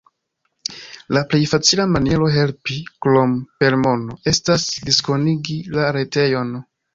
La plej facila maniero helpi, krom per mono, estas diskonigi la retejon.